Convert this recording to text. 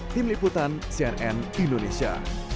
tim liputan cnn indonesia